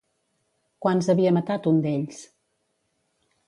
Quants havia matat un d'ells?